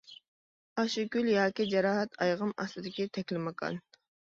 ئاشۇ گۈل ياكى جاراھەت ئايىغىم ئاستىدىكى تەكلىماكان.